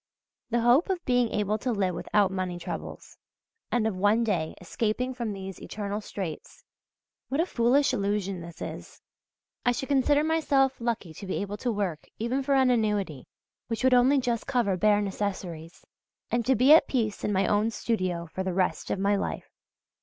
The hope of being able to live without money troubles, and of one day escaping from these eternal straits what a foolish illusion this is! I should consider myself lucky to be able to work even for an annuity which would only just cover bare necessaries, and to be at peace in my own studio for the rest of my life.